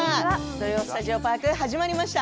「土曜スタジオパーク」始まりました。